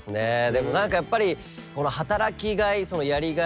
でも何かやっぱり働きがいやりがい